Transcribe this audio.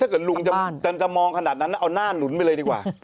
ลุงจะมองขนาดนั้นเอาหน้าหนุนไปเลยดีกว่า